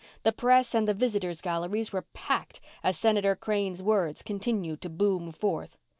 The press and the visitors' galleries were packed as Senator Crane's words continued to boom forth.